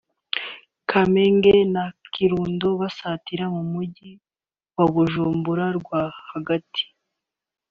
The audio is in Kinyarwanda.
Kamenge na Kinindo basatira mu mujyi wa Bujumbura rwa hagati